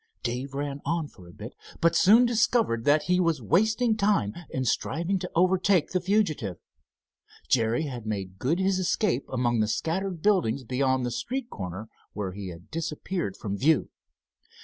Dave ran on for a bit, but soon discovered that he was wasting time in striving to overtake the fugitive. Jerry had made good his escape among the scattered buildings beyond the street corner where he had disappeared from view.